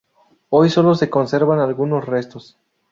Hoy sólo se conservan algunos restos.